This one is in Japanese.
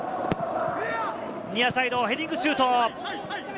ニアサイド、ヘディングシュート。